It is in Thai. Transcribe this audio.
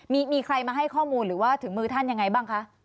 มีใครมาให้ข้อมูลหรือว่าถึงมือท่านยังไงบ้างคะ